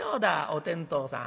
お天道さん